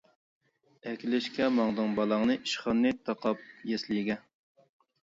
ئەكېلىشكە ماڭدىڭ بالاڭنى، ئىشخانىنى تاقاپ يەسلىگە.